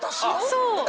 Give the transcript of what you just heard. そう！